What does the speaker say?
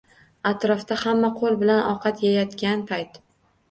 Atrofda hamma qo‘l bilan ovqat yeyayotgan payt.